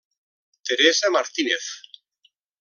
Teresa Martínez.